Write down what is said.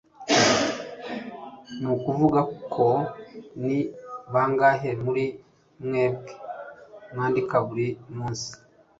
Nukuvugako, ni bangahe muri mwebwe mwandika buri munsi?